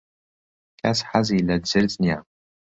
کەس حەزی لە جرج نییە.